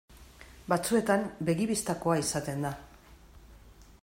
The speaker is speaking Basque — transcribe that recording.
Batzuetan begi bistakoa izaten da.